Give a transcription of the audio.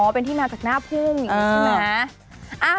อ๋อเป็นที่มาจากหน้าพุ่งอย่างนี้สินะ